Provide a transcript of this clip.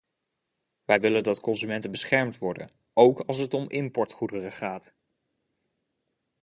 Wij willen dat consumenten beschermd worden, ook als het om importgoederen gaat!